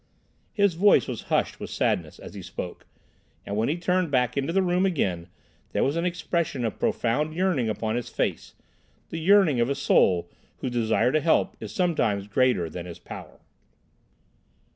His voice was hushed with sadness as he spoke, and when he turned back into the room again there was an expression of profound yearning upon his face, the yearning of a soul whose desire to help is sometimes greater than his power.